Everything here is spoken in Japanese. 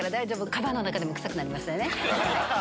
カバンの中でも臭くなりませんね。